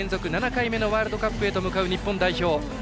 ７回目のワールドカップへと向かう日本代表。